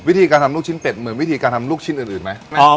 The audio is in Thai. วิธีการทำลูกชิ้นเป็ดเหมือนวิธีการทำลูกชิ้นอื่นไหม